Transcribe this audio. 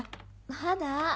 まだ。